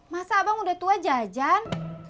masa abang udah tua jajan